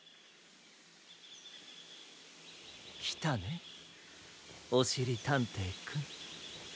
きたねおしりたんていくん。